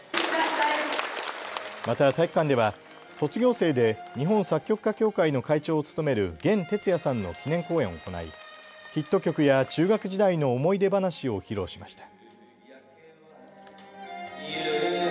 また体育館では卒業生で日本作曲家協会の会長を務める弦哲也さんの記念公演を行いヒット曲や中学時代の思い出話を披露しました。